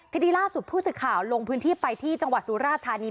ทีนี้ล่าสุดผู้สื่อข่าวลงพื้นที่ไปที่จังหวัดสุราธานี